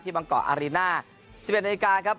ที่บางก่ออารีน่า๑๑นาทีการครับ